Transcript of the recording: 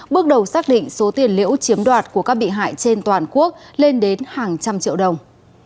bước đầu xác định số tiền liễu chiếm đoạt của các bị hại trên toàn quốc lên đến hàng trăm triệu đồng